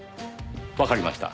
わかりました。